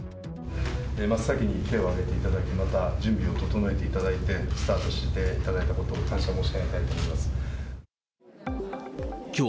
真っ先に手を挙げていただき、準備を整えていただいて、スタートしていただいたことに感謝申しきょう、